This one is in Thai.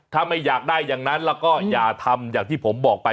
ถ้าไม่อยากได้อย่างนั้นแล้วก็อย่าทำอย่างที่ผมบอกไป